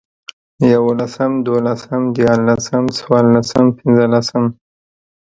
يوولسم، دوولسم، ديارلسم، څلورلسم، پنځلسم